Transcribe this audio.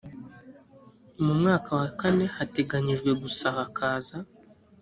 mu mwaka wa kane hateganyijwe gusakaza